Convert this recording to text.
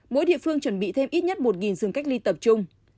mỗi địa phương chuẩn bị thêm ít nhất một giường cách ly tập trung